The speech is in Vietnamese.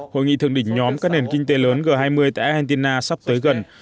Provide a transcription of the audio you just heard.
hội nghị thượng đỉnh nhóm các nền kinh tế lớn g hai mươi tại argentina sắp tới gần